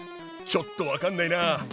ちょっと分かんないなぁ。